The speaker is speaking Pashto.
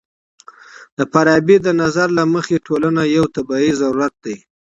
د فارابي د نظر له مخې ټولنه يو طبيعي ضرورت دی.